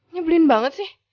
nyebelin banget sih